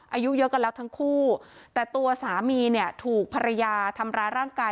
อายุเยอะกันแล้วทั้งคู่แต่ตัวสามีเนี่ยถูกภรรยาทำร้ายร่างกาย